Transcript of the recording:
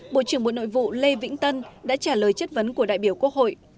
bộ trưởng bộ nội vụ lê vĩnh tân đã trả lời chất vấn của đại biểu quốc hội